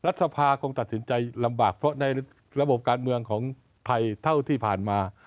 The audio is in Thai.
สภาคงตัดสินใจลำบากเพราะในระบบการเมืองของไทยเท่าที่ผ่านมา